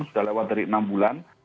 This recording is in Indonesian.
sudah lewat dari enam bulan